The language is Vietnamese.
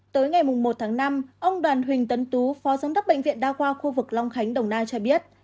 tới ngày một tháng năm ông đoàn huỳnh tấn tú phó giám đốc bệnh viện đa khoa khu vực long khánh đồng nai cho biết